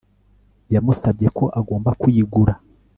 Yamusabye ko agomba kuyigura